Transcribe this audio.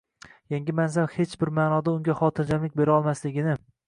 Yangi mansab hech bir ma’noda unga xotirjamlik berolmasligini